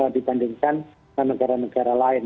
dibandingkan dengan negara negara lain